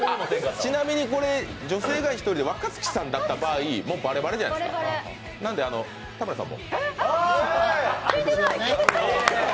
ちなみにこれ、女性が１人で若槻さんだった場合、もうバレバレじゃないですか、なんで田村さんも。